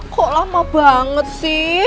kok lama banget sih